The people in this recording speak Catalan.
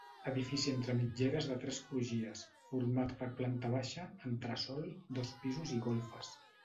Edifici entre mitgeres de tres crugies, format per planta baixa, entresòl, dos pisos i golfes.